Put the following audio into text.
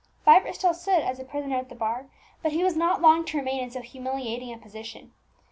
Vibert still stood as a prisoner at the bar, but he was not long to remain in so humiliating a position.